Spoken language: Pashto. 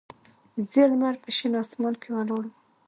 زیړ لمر په شین اسمان کې ولاړ و.